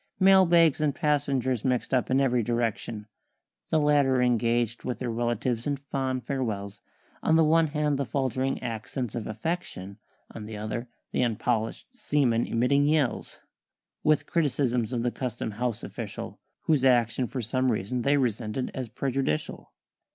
Mail bags and passengers mixed up in every direction, The latter engaged with their relatives in fond farewells; On the one hand the faltering accents of affection, On the other the unpolisht seamen emitting yells, With criticisms of a Custom House official Whose action for some reason they resented as prejudicial.